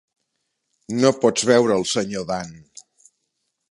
No pots veure el senyor Dan.